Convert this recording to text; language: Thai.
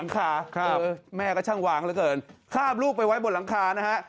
ง่าง่า